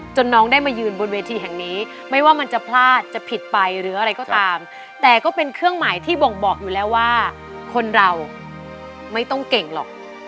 น้องได้มายืนบนเวทีแห่งนี้ไม่ว่ามันจะพลาดจะผิดไปหรืออะไรก็ตามแต่ก็เป็นเครื่องหมายที่บ่งบอกอยู่แล้วว่าคนเราไม่ต้องเก่งหรอก